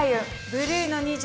ブルーの２１は？